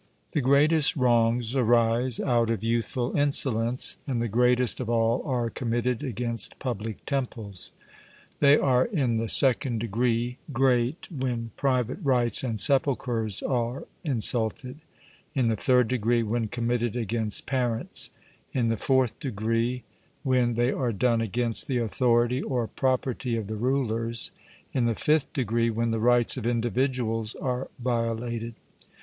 The greatest wrongs arise out of youthful insolence, and the greatest of all are committed against public temples; they are in the second degree great when private rites and sepulchres are insulted; in the third degree, when committed against parents; in the fourth degree, when they are done against the authority or property of the rulers; in the fifth degree, when the rights of individuals are violated.